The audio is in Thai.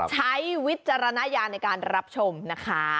วิจารณญาณในการรับชมนะคะ